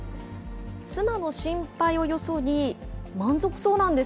妻の心配をよそに、満足そうなんです。